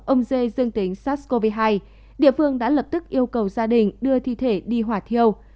ông dê dương tính sars cov hai địa phương đã lập tức yêu cầu gia đình đưa thi thể đi hỏa thiêu